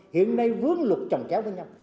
hiện nay vướng luật trồng chéo với nhau